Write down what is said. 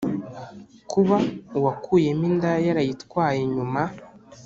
kuba uwakuyemo inda yarayitwaye nyuma